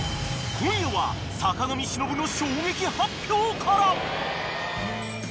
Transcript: ［今夜は坂上忍の衝撃発表から］